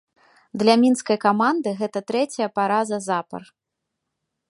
Для мінскай каманды гэта трэцяя параза запар.